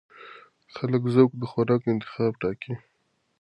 د خلکو ذوق د خوراک انتخاب ټاکي.